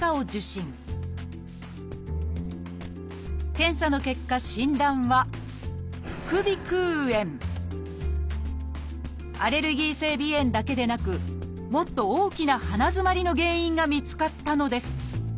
検査の結果診断はアレルギー性鼻炎だけでなくもっと大きな鼻づまりの原因が見つかったのです。